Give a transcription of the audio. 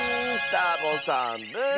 サボさんブーッ！